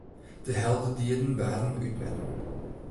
De heldendieden waarden útmetten.